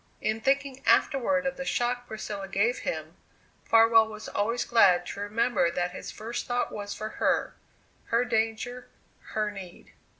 In thinking afterward of the shock Priscilla gave him, Farwell was always glad to remember that his first thought was for her, her danger, her need.